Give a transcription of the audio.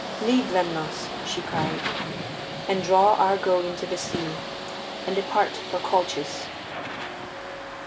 Leave Lemnos, she cried, and draw Argo into the sea, and depart for Colchis.